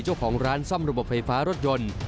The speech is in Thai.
เจ้าของร้านซ่อมระบบไฟฟ้ารถยนต์